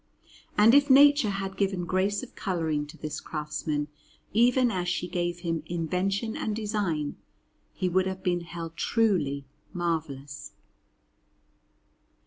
And if Nature had given grace of colouring to this craftsman, even as she gave him invention and design, he would have been held truly marvellous.